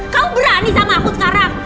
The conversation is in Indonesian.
kau berani sama aku sekarang